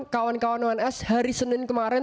kawan kawan ons hari senin kemarin